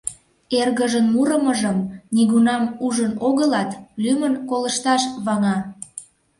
Эргыжын мурымыжым нигунам ужын огылат, лӱмын колышташ ваҥа.